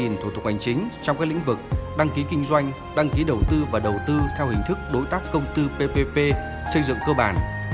sở đã tiếp nhận và giải quyết gần năm thủ tục hành chính trong các lĩnh vực đăng ký kinh doanh đăng ký đầu tư và đầu tư theo hình thức đối tác công tư ppp xây dựng cơ bản